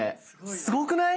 すごくない？